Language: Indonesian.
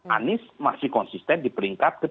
anies masih konsisten di peringkat ke tiga